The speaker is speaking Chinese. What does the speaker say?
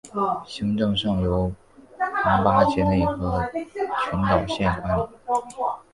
行政上由庞卡杰内和群岛县管理。